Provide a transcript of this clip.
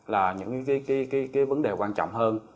là những cái vấn đề quan trọng hơn